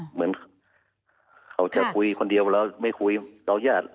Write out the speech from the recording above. เหมือนเขาจะคุยคนเดียวแล้วไม่คุยเราญาติ